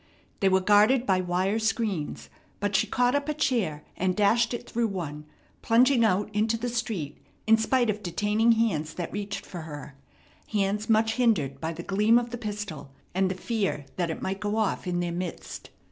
They were guarded by wire screens; but she caught up a chair, and dashed it through one, plunging out into the street in spite of detaining hands that reached for her, hands much hindered by the gleam of the pistol and the fear that it might go off in their midst.